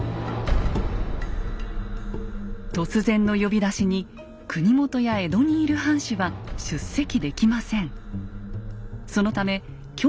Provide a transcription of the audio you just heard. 突然の呼び出しに国元や江戸にいる藩主は出席できません。